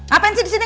apaan sih disini